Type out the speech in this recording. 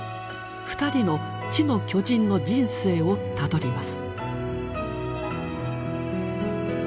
２人の「知の巨人」の人生をたどります。